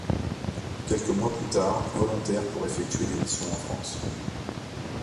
Quelques mois plus tard, volontaire pour effectuer des missions en France.